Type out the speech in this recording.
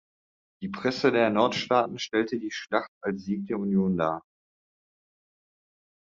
Die Presse der Nordstaaten stellte die Schlacht als Sieg der Union dar.